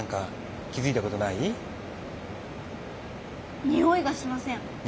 においがしません。